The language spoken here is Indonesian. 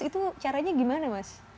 itu caranya gimana mas